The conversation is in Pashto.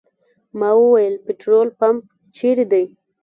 ما وویل پټرول پمپ چېرې دی.